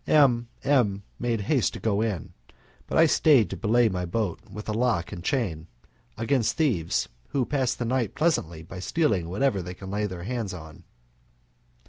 M M made haste to go in, but I stayed to belay my boat with a lock and chain against thieves, who pass the night pleasantly by stealing whatever they can lay hands on.